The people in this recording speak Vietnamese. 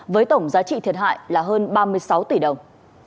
với tổng giá trị thiệt hại là hơn ba mươi sáu tỷ đồng